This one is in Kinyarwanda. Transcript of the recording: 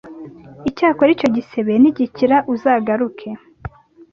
icyakora icyo gisebe nigikira uzagaruke